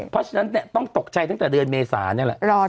เพราะฉะนั้นต้องตกใจตั้งแต่เดือนเมษานี่แหละ